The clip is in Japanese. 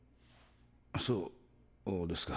そうですか。